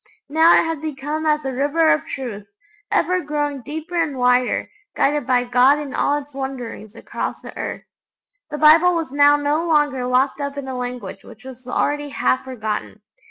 Now it had become as a river of truth, ever growing deeper and wider, guided by God in all its wanderings across the earth. The Bible was now no longer locked up in a language which was already half forgotten.